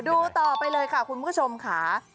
ดูต่อไปเลยค่ะคุณผู้ชมค่ะ